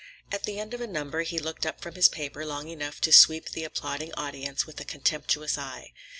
At the end of a number he looked up from his paper long enough to sweep the applauding audience with a contemptuous eye.